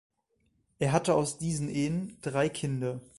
Er hatte aus diesen Ehen drei Kinder.